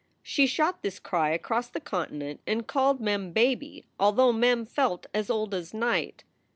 She shot this cry across the continent and called Mem "baby," although Mem felt as old as night.